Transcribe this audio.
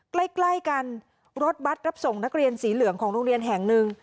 ใกล้กันรถบัตรรับส่งนักเรียนสีเหลืองของโรงเรียนแห่งหนึ่ง